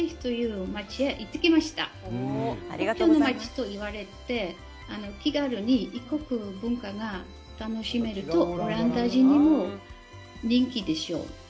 国境の街といわれ、気軽に異国文化が楽しめるとオランダ人にも人気ですよ。